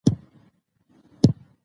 نو د دوائي پرېښودو سره به